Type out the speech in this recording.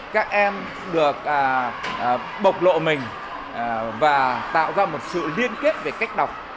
các em được bộc lộ mình và tạo ra một sự liên kết về cách đọc